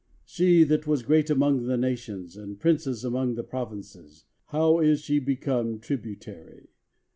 she that was great among the nations, and princess among the provinces, how is she become tributary!